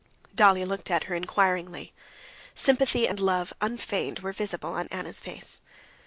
Dolly looked at her inquiringly. Sympathy and love unfeigned were visible on Anna's face.